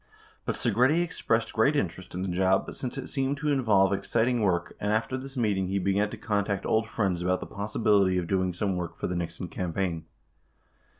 But Segretti expressed great in terest in the job, since it seemed to involve exciting work, and after this meeting, he began to contact old friends about the possibility of doing some work for the Nixon campaign.